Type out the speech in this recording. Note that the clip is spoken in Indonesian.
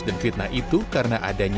dan fitnah itu karena adanya